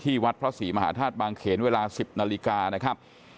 ที่วัดพระศรีมหาธาตุบางเขียนเวลา๑๐นาฬิกา